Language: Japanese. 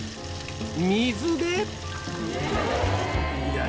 水で？